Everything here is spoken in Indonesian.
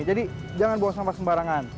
jadi jangan buang sampah sembarangan